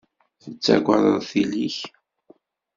Tettaggadeḍ tili-k.